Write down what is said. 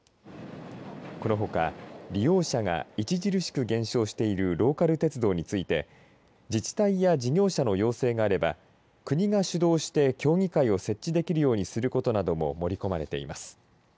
このほか利用者が著しく減少しているローカル鉄道について自治体や事業者の要請があれば国が主導して協議会を設置できるようにすることなども盛り込まれています。